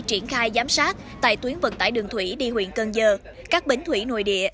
triển khai giám sát tại tuyến vận tải đường thủy đi huyện cân dơ các bến thủy nội địa